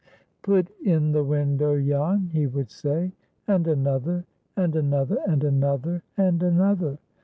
"Put in the window, Jan," he would say; "and another, and another, and another, and another.